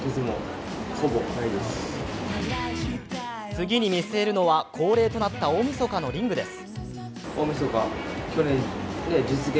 次に見据えるのは恒例となった大みそかのリングです。